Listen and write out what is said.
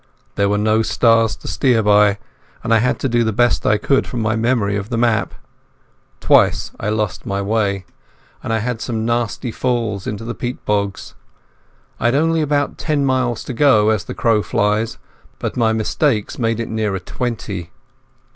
There were no stars to steer by, and I had to do the best I could from my memory of the map. Twice I lost my way, and I had some nasty falls into peat bogs. I had only about ten miles to go as the crow flies, but my mistakes made it nearer twenty.